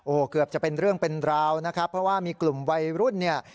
โอ้โหเกือบจะเป็นเรื่องเป็นราวนะครับเพราะว่ามีกลุ่มวัยรุ่นเนี่ย